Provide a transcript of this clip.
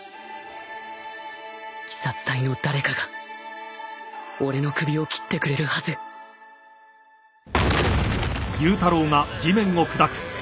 鬼殺隊の誰かが俺の首を斬ってくれるはずぐううう。